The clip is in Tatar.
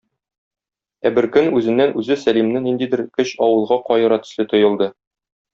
Ә беркөн үзеннән-үзе Сәлимне ниндидер көч авылга каера төсле тоелды.